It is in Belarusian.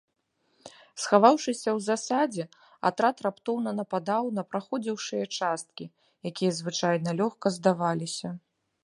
Схаваўшыся ў засадзе, атрад раптоўна нападаў на праходзіўшыя часткі, якія звычайна лёгка здаваліся.